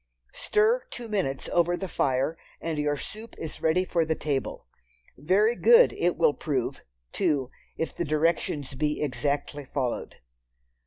Stir two minutes over the fire, and your soup is ready for the table. Very good it will prove, too, if the directions be exactly followed.